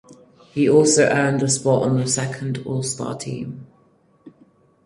He also earned a spot on the Second All-Star Team.